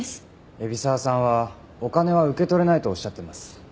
海老沢さんはお金は受け取れないとおっしゃっています。